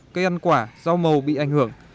cây ăn quả rau màu bị ảnh hưởng